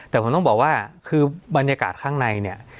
แต่ผมต้องบอกว่าคือบรรยากาศข้างในเนี่ย